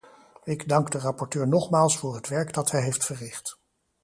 Ik dank de rapporteur nogmaals voor het werk dat hij heeft verricht.